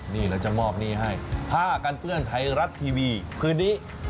นี่เราจะมอบหนี้ให้ผ้ากันเปื้อนไทยรัฐทีวีคืนนี้